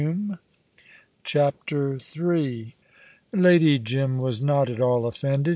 CHAPTER III Lady Jim was not at all offended.